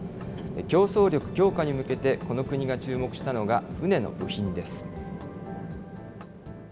競争力強化に向けて、この国が注目したのが、船の部品です。